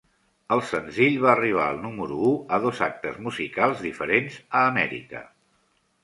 El senzill va arribar al número u a dos actes musicals diferents a Amèrica.